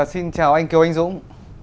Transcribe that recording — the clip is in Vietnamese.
xin chào anh kiều anh dũng